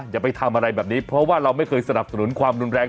อย่าไปทำอะไรแบบนี้เพราะว่าเราไม่เคยสนับสนุนความรุนแรง